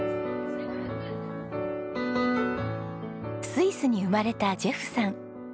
スイスに生まれたジェフさん。